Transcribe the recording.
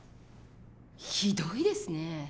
ひどいですね。